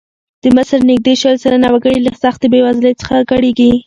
د مصر نږدې شل سلنه وګړي له سختې بېوزلۍ څخه کړېږي.